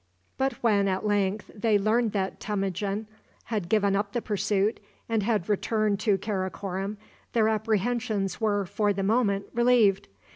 But when, at length, they learned that Temujin had given up the pursuit, and had returned to Karakorom, their apprehensions were, for the moment, relieved.